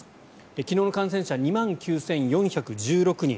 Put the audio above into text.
昨日の感染者、２万９４１６人。